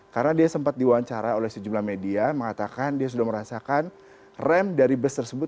karena dia sempat diwawancara oleh sejumlah media mengatakan dia sudah merasakan rem dari bus tersebut